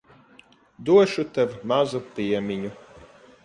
Došu tev mazu piemiņu.